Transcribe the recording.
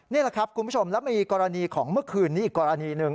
นี่แหละครับคุณผู้ชมแล้วมีกรณีของเมื่อคืนนี้อีกกรณีหนึ่ง